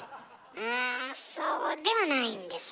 うんそうではないんですよ。